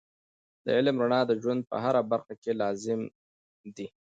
د علم رڼا د ژوند په هره برخه کې لازم دی.